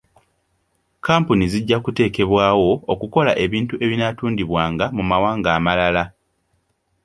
Kkampuni zijja kuteekebwawo okukola ebintu ebinaatundibwanga mu mawanga amalala.